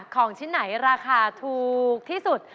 ของชิ้นไหนราคาถูกที่สุด